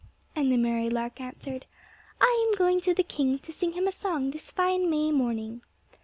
And the merry lark answered, "I am going to the king to sing him a song this fine May morning."